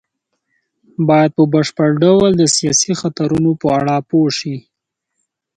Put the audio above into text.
بايد په بشپړ ډول د سياسي خطرونو په اړه پوه شي.